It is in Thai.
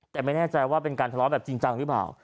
แต่ไม่แน่ใจว่าเป็นการทะเลาะแบบจริงจังหรือเปล่า